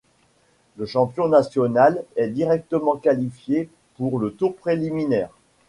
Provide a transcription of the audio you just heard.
Le champion national est directement qualifié pour le tour préliminaire.